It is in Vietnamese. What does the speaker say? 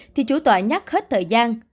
thì chủ tòa nhắc hết thời gian